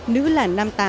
nữ là năm mươi tám